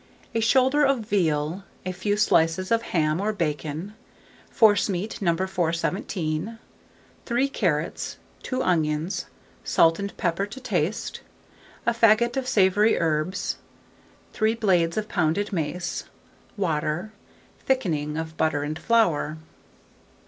A shoulder of veal, a few slices of ham or bacon, forcemeat No. 417, 3 carrots, 2 onions, salt and pepper to taste, a faggot of savoury herbs, 3 blades of pounded mace, water, thickening of butter and flour.